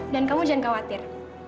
dan kamu jangan khawatir